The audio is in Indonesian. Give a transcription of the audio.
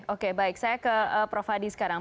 oke baik saya ke prof hadi sekarang